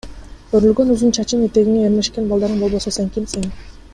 Өрүлгөн узун чачың, этегиңе эрмешкен балдарың болбосо сен кимсиң?